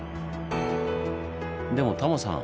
でもタモさん